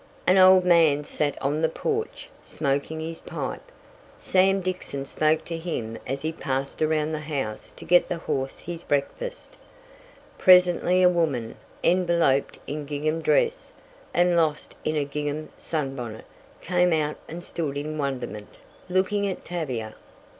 An old man sat on the porch, smoking his pipe. Sam Dixon spoke to him as he passed around the house to get the horse his breakfast. Presently a woman, enveloped in gingham dress, and lost in a gingham sunbonnet, came out and stood in wonderment, looking at Tavia.